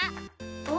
お！